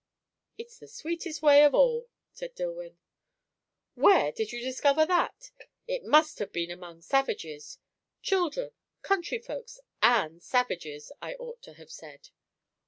"It's the sweetest way of all," said Dillwyn. "Where did you discover that? It must have been among savages. Children country folks and savages, I ought to have said."